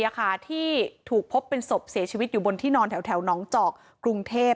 ที่ถูกพบเป็นศพเสียชีวิตอยู่บนที่นอนแถวน้องจอกกรุงเทพ